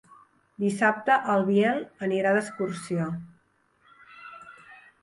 Dissabte en Biel irà d'excursió.